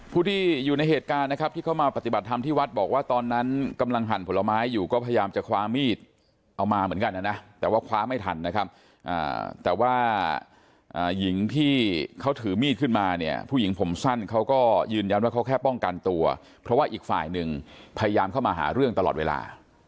ผู้ที่อยู่ในเหตุการณ์นะครับที่เขามาปฏิบัติธรรมที่วัดบอกว่าตอนนั้นกำลังหั่นผลไม้อยู่ก็พยายามจะคว้ามีดเอามาเหมือนกันนะนะแต่ว่าคว้าไม่ทันนะครับแต่ว่าหญิงที่เขาถือมีดขึ้นมาเนี่ยผู้หญิงผมสั้นเขาก็ยืนยันว่าเขาแค่ป้องกันตัวเพราะว่าอีกฝ่ายหนึ่งพยายามเข้ามาหาเรื่องตลอดเวลา